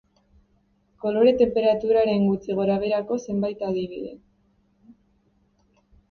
Kolore tenperaturaren gutxi gorabeherako zenbait adibide.